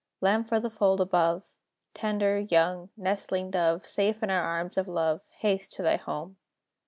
Lamb for the fold above Tender, young, nestling dove Safe in our arms of love, Haste to thy home."